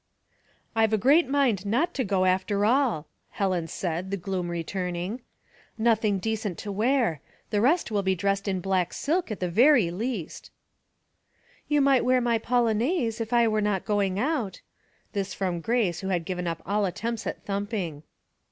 " I've a great mind not to go, after all," Helen said, the gloom returning. '' Nothing decent to wear. The rest will be dressed in black silk at the very least." 44 Household Puzzles, " You might wear my polonaise if I were not going out." This from Grace, who had given up all attempts at thumping.